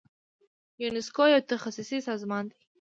یونسکو یو تخصصي سازمان دی.